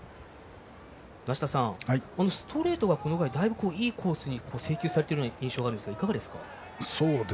梨田さん、ストレートはこの場合だいぶ、いいコースに制球されている印象があるんですがいかがですか。